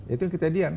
itu yang kejadian